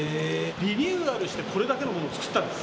リニューアルしてこれだけのモノを作ったんです。